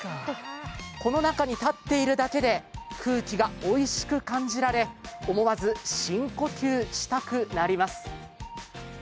この中に立っているだけで空気がおいしく感じられ思わず深呼吸したくなります。